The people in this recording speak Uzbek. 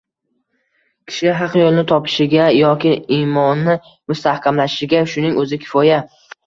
Kishi haq yo‘lni topishiga yoki imoni mustahkamlanishiga shuning o‘zi kifoya.